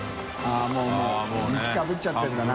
發雪かぶっちゃってるんだな。